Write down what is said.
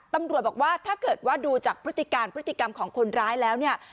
ตำรวจบอกว่าถ้าเกิดว่าดูจากพฤติการพฤติกรรมของคนร้ายแล้วเนี่ย